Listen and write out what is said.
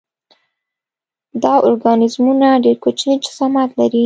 دا ارګانیزمونه ډېر کوچنی جسامت لري.